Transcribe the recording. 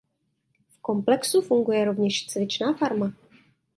V komplexu funguje rovněž cvičná farma.